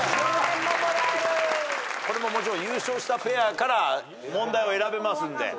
これもちろん優勝したペアから問題を選べますんで。